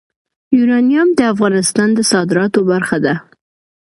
یورانیم د افغانستان د صادراتو برخه ده.